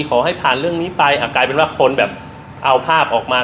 ขอให้ผ่านเรื่องนี้ไปกลายเป็นว่าคนแบบเอาภาพออกมา